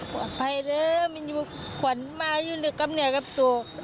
ปลอดภัยเริ่มมีขวัญมาอยู่ลึกกำเนื้อกับตัว